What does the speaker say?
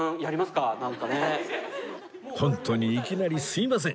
ホントにいきなりすいません